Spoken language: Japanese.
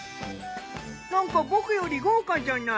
なんか僕より豪華じゃない？